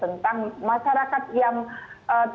tentang masyarakat yang ternyata